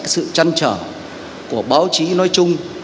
sự trăn trở của báo chí nói chung